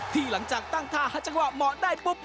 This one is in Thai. ที่หลังจากตั้งท่าหาจังหวะเหมาะได้ปุ๊บ